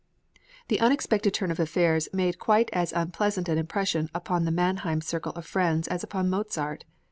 The unexpected turn of affairs made quite as unpleasant an impression upon the Mannheim circle of friends as upon Mozart.